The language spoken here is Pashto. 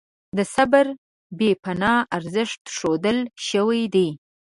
د صبر بې پناه ارزښت ښودل شوی دی.